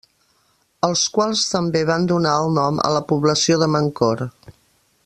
Els quals també van donar el nom a la població de Mancor.